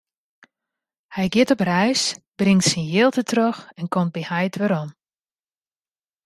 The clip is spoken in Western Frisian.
Hy giet op reis, bringt syn jild dertroch en komt by heit werom.